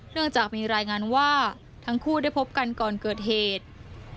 เรื่องจากมีรายงานว่าทั้งคู่ได้พบกันก่อนเกิดเหตุ